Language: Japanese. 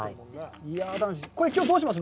これ、きょう、どうします？